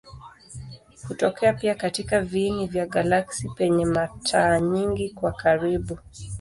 Hutokea pia katika viini vya galaksi penye mata nyingi kwa karibu.